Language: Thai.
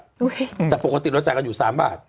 อุ้ยแต่ปกติเราจากันอยู่สามบาท